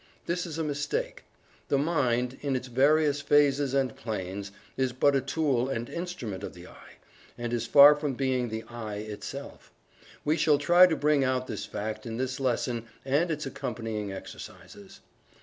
This is a mistake. The Mind, in its various phases and planes, is but a tool and instrument of the "I," and is far from being the "I" itself. We shall try to bring out this fact in this lesson and its accompanying exercises.